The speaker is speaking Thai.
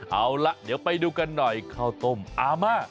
เอาล่ะเดี๋ยวไปดูกันหน่อยข้าวต้มอาม่า